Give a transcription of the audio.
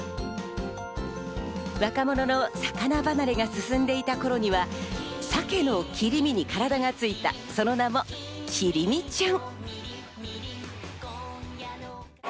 若者の魚離れが進んでいた頃には鮭の切り身に体がついた、その名もＫＩＲＩＭＩちゃん．。